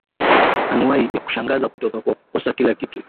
anuwai ya kushangaza kutoka kwa kukosoa kila kitu